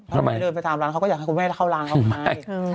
ถ้าไม่ได้เดินไปถามร้านเขาก็อยากให้คุณแม่เข้าร้านเขาไหม